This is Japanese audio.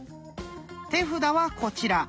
手札はこちら。